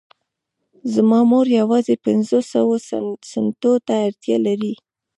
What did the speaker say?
زما مور يوازې پنځوسو سنټو ته اړتيا لري.